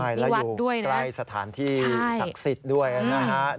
ใช่แล้วอยู่ใกล้สถานที่ศักดิ์สิทธิ์ด้วยนะฮะ